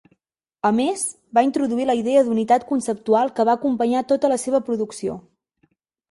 A més, va introduir la idea d'unitat conceptual que va acompanyar tota la seva producció.